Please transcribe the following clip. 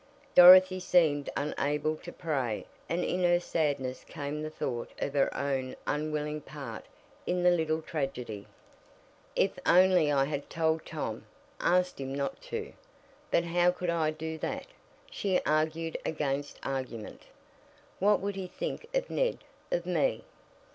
Dorothy seemed unable to pray, and in her sadness came the thought of her own unwilling part in the little tragedy. "If only I had told Tom asked him not to! But how could I do that?" she argued against argument. "What would he think of Ned? Of me?"